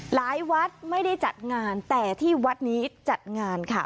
หลายวัดไม่ได้จัดงานแต่ที่วัดนี้จัดงานค่ะ